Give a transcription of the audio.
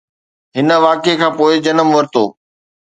هن واقعي کان پوء جنم ورتو